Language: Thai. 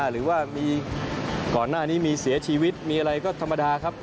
หรือว่ามีก่อนหน้านี้มีเสียชีวิตมีอะไรก็ธรรมดาครับ